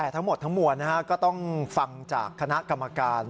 ทั้งหมดทั้งมวลก็ต้องฟังจากคณะกรรมการ